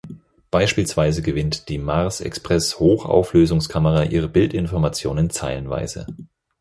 Beispielsweise gewinnt die Mars-Express-Hochauflösungskamera ihre Bildinformationen zeilenweise.